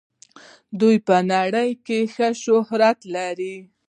دوی په نړۍ کې ښه شهرت لري.